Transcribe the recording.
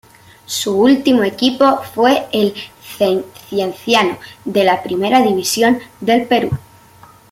Su último equipo fue el Cienciano de la Primera División del Perú.